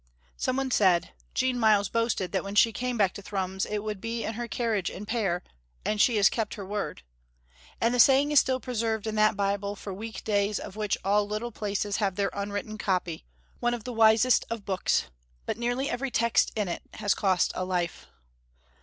Someone said, "Jean Myles boasted that when she came back to Thrums it would be in her carriage and pair, and she has kept her word," and the saying is still preserved in that Bible for week days of which all little places have their unwritten copy, one of the wisest of books, but nearly every text in it has cost a life.